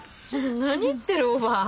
何言ってるおばぁ。